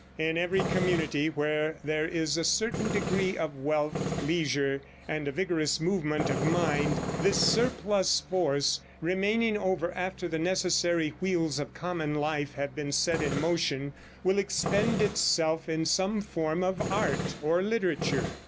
In every community where there is a certain degree of wealth, leisure and a vigorous movement of mind, this surplus force, remaining over after the necessary wheels of common life have been set in motion, will expend itself in some form of art or literature.